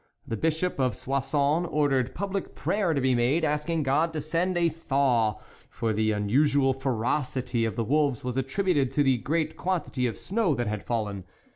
The Bishop of Soissons ordered public prayer to be made, asking God to send a thaw, for the unusual ferocity of the wolves was attributed to the great quan tity of snow that had fallen.